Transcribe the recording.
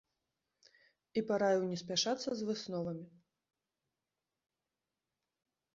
І параіў не спяшацца з высновамі.